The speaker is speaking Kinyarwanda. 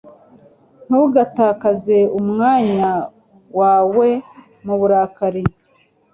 ntugatakaze umwanya wawe mu burakari